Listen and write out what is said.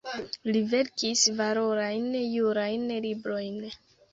Li verkis valorajn jurajn librojn.